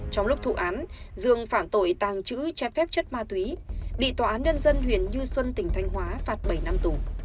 trong lúc thụ án dương phạm tội tàng trữ trái phép chất ma túy bị tòa án nhân dân huyện như xuân tỉnh thanh hóa phạt bảy năm tù